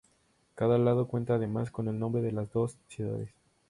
Cada lado cuenta además con el nombre de las dos ciudades.